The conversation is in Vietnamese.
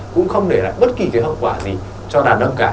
cũng không để lại bất kỳ cái hậu quả gì cho đàn nợ cả